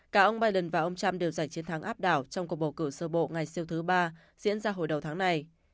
cả ông biden và ông trump đều giành chiến thắng áp đảo trong cuộc bầu cử sơ bộ ngày siêu thứ ba diễn ra hồi đầu tháng này